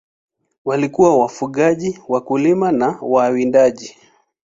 Walikuwa wafugaji, wakulima na wawindaji.